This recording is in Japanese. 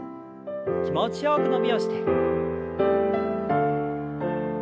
気持ちよく伸びをして。